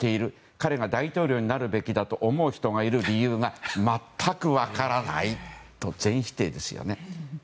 彼が大統領になるべきだと思う人がいる理由が全く分からないと全否定ですよね。